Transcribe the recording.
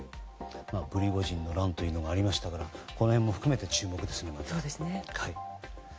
プリゴジンの乱というのがあったのでこの辺も含めて注目ですね。